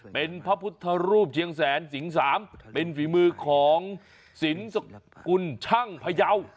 เป็นพระพุทธรูปเชียงแสนสิงสามเป็นฝีมือของสินสกุลช่างพยาว